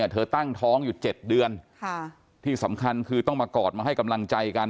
ตั้งท้องอยู่๗เดือนที่สำคัญคือต้องมากอดมาให้กำลังใจกัน